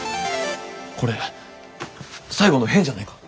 これ最後の変じゃないか？